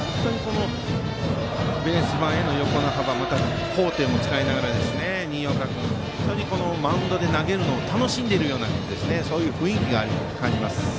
ベース板の横の幅また高低も使いながら、新岡君マウンドで投げるのを楽しんでいる雰囲気を感じます。